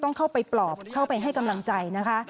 ต้องเข้าไปปลอบเข้าไปให้กำลังใจนะคะ